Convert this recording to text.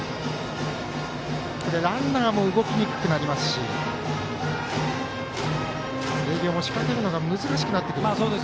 これはランナーも動きにくくなりますし星稜も仕掛けるのが難しくなります。